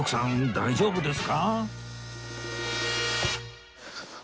大丈夫です。